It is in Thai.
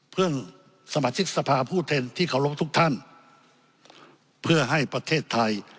เพื่อนสมาชิกสภาผู้แทนที่เคารพทุกท่านเพื่อให้ประเทศไทย